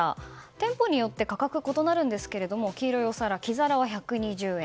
店舗によって価格は異なるんですけれども黄色いお皿、黄皿は１２０円